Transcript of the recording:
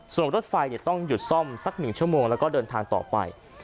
ส่วนรถไฟต้องหยุดซ่อมสัก๑ชั่วโมงแล้วก็เดินทางต่อไป